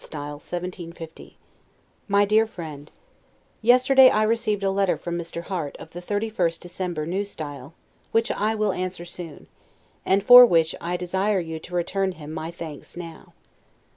S. 1750 MY DEAR FRIEND: Yesterday I received a letter from Mr. Harte, of the 31st December, N. S., which I will answer soon; and for which I desire you to return him my thanks now.